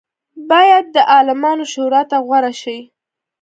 باید د عالمانو شورا ته غوره شي.